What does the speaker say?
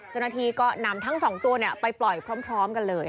จนทีก็นำทั้ง๒ตัวเนี่ยไปปล่อยพร้อมกันเลย